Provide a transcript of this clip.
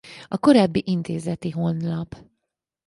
A korábbi intézeti honlap